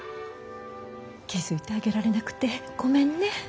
気付いてあげられなくてごめんね。